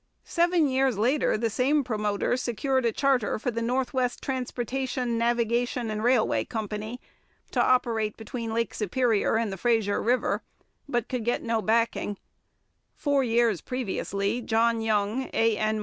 Seven years later the same promoter secured a charter for the Northwest Transportation, Navigation, and Railway Company, to operate between Lake Superior and the Fraser river, but could get no backing; four years previously John Young, A. N.